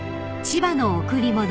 ［『千葉の贈り物』］